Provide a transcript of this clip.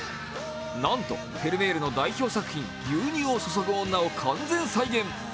なんと、フェルメールの代表作品「牛乳を注ぐ女」を完全再現。